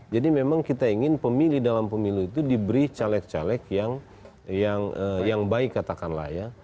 jadi memang kita ingin pemilih dalam pemilih itu diberi caleg caleg yang baik katakanlah